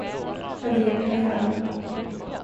Han grep henne i armen.